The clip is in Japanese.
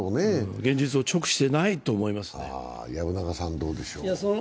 現実を直視していないと思いますね。